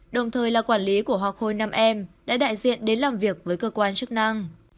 đồng thời là quản lý của hoa khôi nam em đã đại diện đến làm việc với cơ quan chức năng